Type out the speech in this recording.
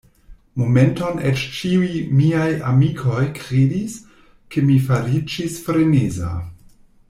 Momenton eĉ ĉiuj miaj amikoj kredis, ke mi fariĝis freneza.